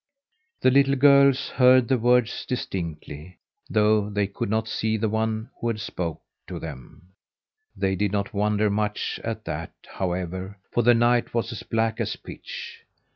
The little girls heard the words distinctly, though they could not see the one who spoke to them. They did not wonder much at that, however, for the night was as black as pitch.